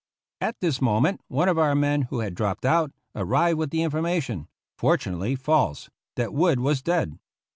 At this moment one of our men who had dropped out, arrived with the information (fortunately false) that Wood was dead.